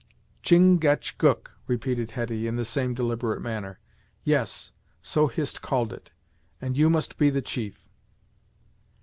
] "Chin gach gook," repeated Hetty, in the same deliberate manner. "Yes, so Hist called it, and you must be the chief."